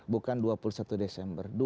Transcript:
bukan dua puluh satu desember